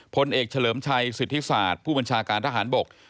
พลเอกเฉลิมชัยสิทธิศาสตร์ผู้บัญชาการทหารบก